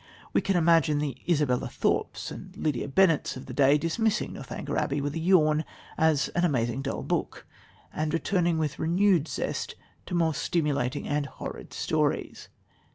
We can imagine the Isabella Thorpes and Lydia Bennets of the day dismissing Northanger Abbey with a yawn as "an amazing dull book," and returning with renewed zest to more stimulating and "horrid" stories.